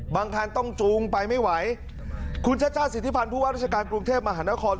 คันต้องจูงไปไม่ไหวคุณชาติชาติสิทธิพันธ์ผู้ว่าราชการกรุงเทพมหานคร